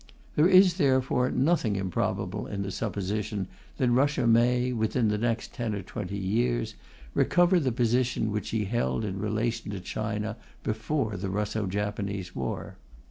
There is therefore nothing improbable in the supposition that Russia may, within the next ten or twenty years, recover the position which she held in relation to China before the Russo Japanese war.